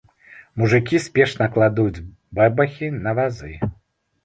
Мужыкі спешна кладуць бэбахі на вазы.